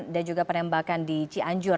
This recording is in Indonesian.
dan juga penembakan di cianjur